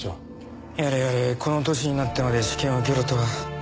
やれやれこの歳になってまで試験を受けるとは。